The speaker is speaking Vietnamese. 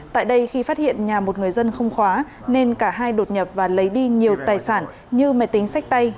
tại đây khi phát hiện nhà một người dân không khóa nên cả hai đột nhập và lấy đi nhiều tài sản như máy tính sách tay